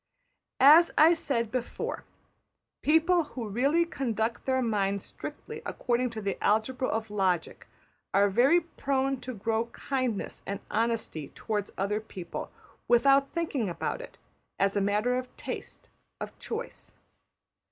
As I said before, people who really conduct their minds strictly according to the algebra of logic are very prone to grow kindness and honesty towards other people, without thinking about it, as a matter of taste, of choice.